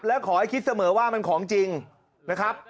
และขอให้คิดเสมอว่ามันของจริงนะครับ